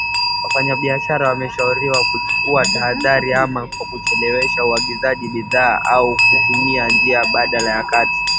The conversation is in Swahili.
wafanyabiashara wameshauriwa kuchukua tahadhari ama kwa kuchelewesha uagizaji bidhaa au kutumia njia mbadala ya kati